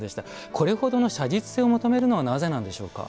これほどの写実性を求めるのはなぜなんでしょうか。